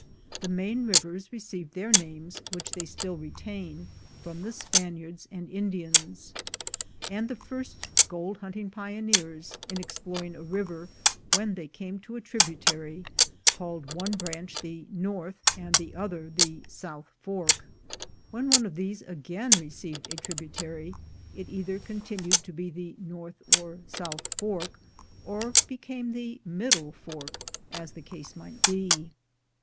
The main rivers received their names, which they still retain, from the Spaniards and Indians; and the first gold hunting pioneers, in exploring a river, when they came to a tributary, called one branch the north, and the other the south fork. When one of these again received a tributary, it either continued to be the north or south fork, or became the middle fork, as the case might be.